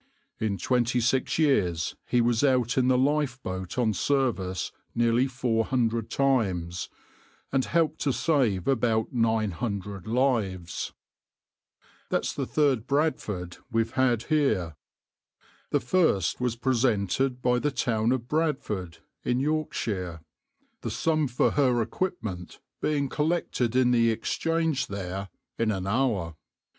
In twenty six years he was out in the lifeboat on service nearly four hundred times, and helped to save about nine hundred lives. That's the third {\itshape{Bradford}} we've had here. The first was presented by the town of Bradford in Yorkshire, the sum for her equipment being collected in the Exchange there in an hour.